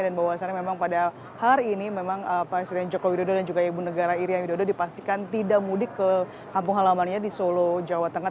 dan bahwasannya memang pada hari ini presiden jokowi dan juga ibu negara iria widodo dipastikan tidak mudik ke kampung halamannya di solo jawa tengah